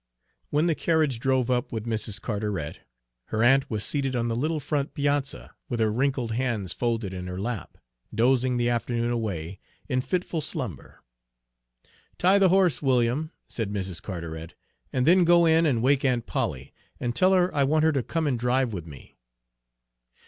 When the carriage drove up with Mrs. Carteret, her aunt was seated on the little front piazza, with her wrinkled hands folded in her lap, dozing the afternoon away in fitful slumber. "Tie the horse, William," said Mrs. Carteret, "and then go in and wake Aunt Polly, and tell her I want her to come and drive with me."